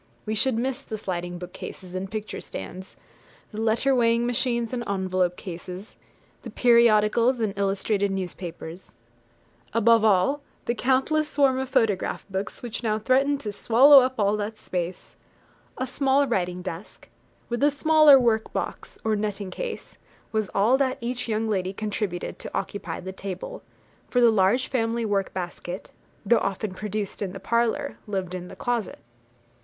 We should miss the sliding bookcases and picture stands, the letter weighing machines and envelope cases, the periodicals and illustrated newspapers above all, the countless swarm of photograph books which now threaten to swallow up all space. A small writing desk, with a smaller work box, or netting case, was all that each young lady contributed to occupy the table; for the large family work basket, though often produced in the parlour, lived in the closet.